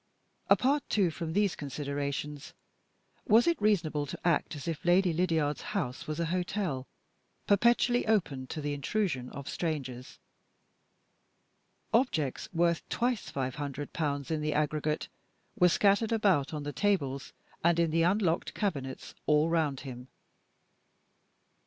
Apart too, from these considerations, was it reasonable to act as if Lady Lydiard's house was a hotel, perpetually open to the intrusion of strangers? Objects worth twice five hundred pounds in the aggregate were scattered about on the tables and in the unlocked cabinets all round him.